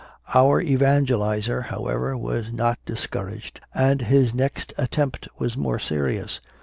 Our evangelizer, however, was not discouraged, and his next attempt was more serious.